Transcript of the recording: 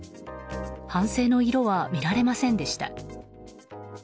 反省の色は見られませんでした。